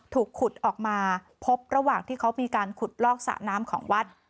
ถูกขุดออกมาพบระหว่างที่เขามีการขุดลอกสระน้ำของวัด